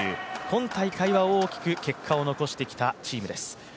今大会は大きく結果を残してきたチームです。